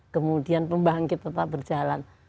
kemudian pembangkit tetap berjalan